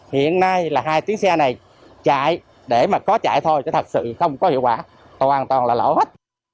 hiện nay là hai tiếng xe này chạy để mà có chạy thôi chứ thật sự không có hiệu quả tôi an toàn là lỗ hết